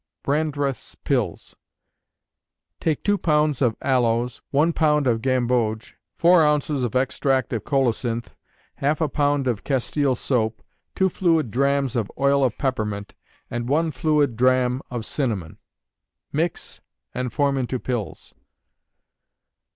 Brandreth's Pills. Take two pounds of aloes, one pound of gamboge, four ounces of extract of colocynth, half a pound of castile soap, two fluid drachms of oil of peppermint, and one fluid drachm of cinnamon. Mix, and form into pills.